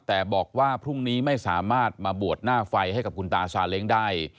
แต่บอกว่าพรุ่งนี้ไม่สามารถมาบวชหน้าไฟให้กับคุณตาซาเล้งได้